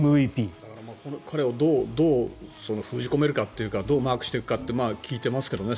だから彼をどう封じ込めるかっていうかどうマークするかって聞いてますけどね。